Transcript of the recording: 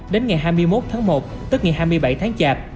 đến ngày hai mươi một tháng một tức ngày hai mươi bảy tháng chạp